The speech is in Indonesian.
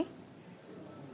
kami masih fokus